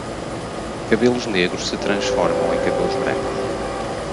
Cabelos negros se transformam em cabelos brancos